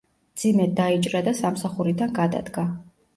მძიმედ დაიჭირა და სამსახურიდან გადადგა.